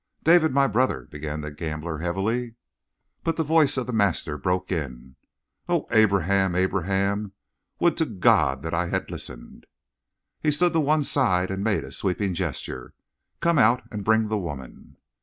"David, my brother " began the gambler heavily. But the voice of the master broke in: "Oh, Abraham, Abraham, would to God that I had listened!" He stood to one side, and made a sweeping gesture. "Come out, and bring the woman."